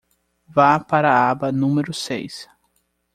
Vá para a aba número seis.